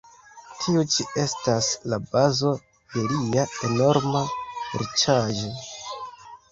Tiu ĉi estas la bazo de lia enorma riĉaĵo.